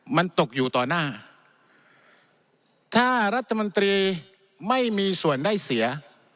มันตกอยู่ต่อหน้าถ้ารัฐมนตรีไม่มีส่วนได้เสีย